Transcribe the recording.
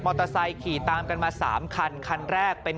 มอเตอร์ไซค์ขี่ตามกันมา๓คัน